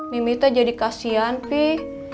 mimi tuh jadi kasihan pih